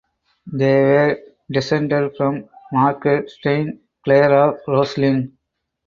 They were descended from Margaret St Clair of Roslin.